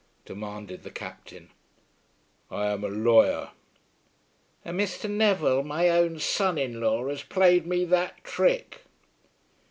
demanded the Captain. "I am a lawyer." "And Mr. Neville, my own son in law, has played me that trick!"